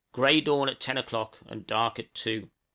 Grey dawn at ten o'clock, and dark at two.